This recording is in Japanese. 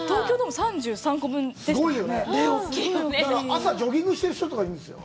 だから、朝ジョギングしてる人とかいるんですよ。